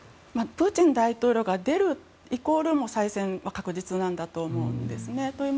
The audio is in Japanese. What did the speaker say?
プーチン大統領が出るイコール再選は確実なんだと思います。